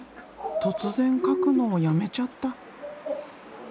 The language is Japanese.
突然描くのをやめちゃった。